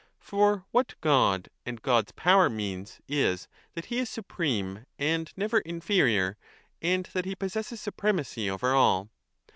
For what God and God s power means is that he is supreme and never inferior, and that he possesses supremacy over all.